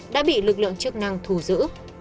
đã bị lực lượng chức năng thù giữ